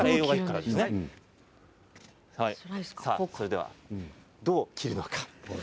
それでは、どうやって切るのか。